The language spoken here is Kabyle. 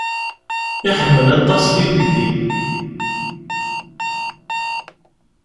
Yeḥmmel aṭas tilelli.